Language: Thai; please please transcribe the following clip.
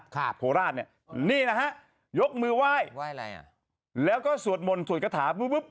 ใช่โพราทนี่นี่นะฮะยกมือไหว้ไหว้อะไรอ่ะแล้วก็สุดมลสุด